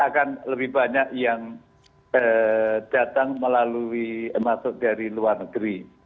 akan lebih banyak yang datang melalui masuk dari luar negeri